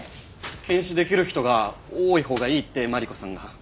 検視出来る人が多いほうがいいってマリコさんが。